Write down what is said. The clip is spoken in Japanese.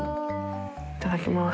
いただきます。